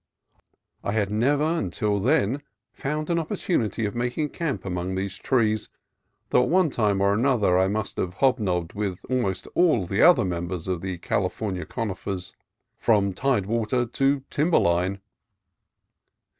I had never until then found an oppor tunity of making camp among these trees, though at one time or another I have hobnobbed with al most all the other members of the California coni fers, from tide water to timber line.